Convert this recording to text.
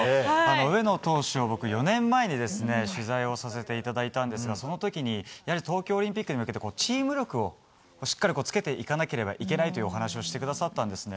上野投手を僕４年前に取材をさせていただいたんですがその時にやはり東京オリンピックに向けてチーム力をしっかりつけていかなければいけないというお話をしてくださったんですね。